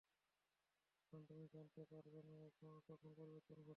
কারণ তুমি জানতে পারবে না, কখন পরিবর্তন ঘটে।